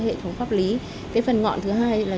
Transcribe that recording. hệ thống pháp lý cái phần ngọn thứ hai là